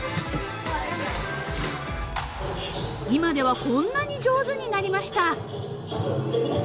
［今ではこんなに上手になりました］